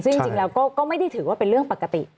ซึ่งจริงแล้วก็ไม่ได้ถือว่าเป็นเรื่องปกติ